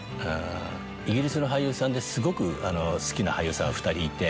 イギリスの俳優さんですごく好きな俳優さん２人いて。